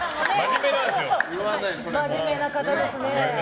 真面目な方ですね。